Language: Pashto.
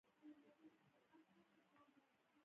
انګلیسي د پروګرام جوړولو ژبه ده